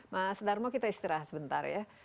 mas darmo kita istirahat sebentar ya